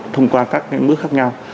thông qua các bước khác nhau